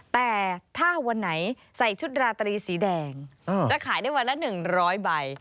แต่ถ้าวันไหนใส่ชุดราตรีสีแดงจะขายได้วันละ๑๐๐ใบ